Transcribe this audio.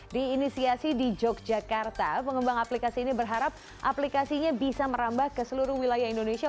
diinisiasi di yogyakarta pengembang aplikasi ini berharap aplikasinya bisa merambah ke seluruh wilayah indonesia